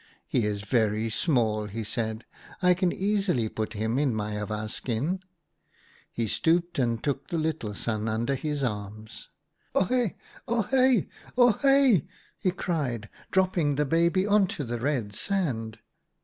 'He is very small,' he said ;' I can easily put him in my awa skin.' He stooped and took the little Sun under his arms. "' Ohe" ! ohe" ! oh6 !' he cried, dropping the baby on to the red sand.